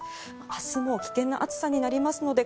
明日も危険な暑さになりますので